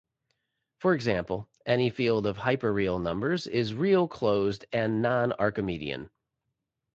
For example, any field of hyperreal numbers is real closed and non-Archimedean.